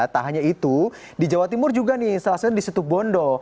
tak hanya itu di jawa timur juga nih salah satunya di situ bondo